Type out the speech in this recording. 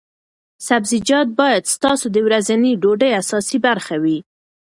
سبزیجات باید ستاسو د ورځنۍ ډوډۍ اساسي برخه وي.